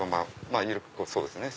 緩くそうですね